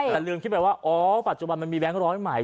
แต่ลืมคิดไปว่าอ๋อปัจจุบันมันมีแบงค์ร้อยใหม่